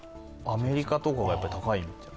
アメリカとかがやっぱり高い？